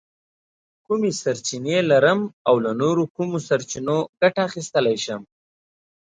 کومې سرچینې لرم او له نورو کومو سرچینو ګټه اخیستلی شم؟